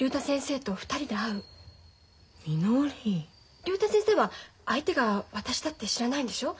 竜太先生は相手が私だって知らないんでしょ？